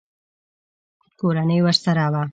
کورنۍ ورسره وه.